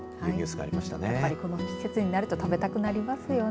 やっぱり、この季節になると食べたくなりますよね。